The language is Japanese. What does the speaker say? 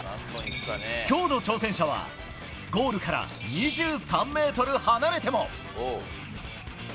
きょうの挑戦者は、ゴールから２３メートル離れても。